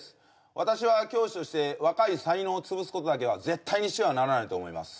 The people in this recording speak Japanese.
私は教師として若い才能を潰すことだけは絶対にしてはならないと思います